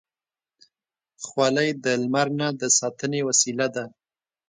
خولۍ د لمر نه د ساتنې وسیله ده.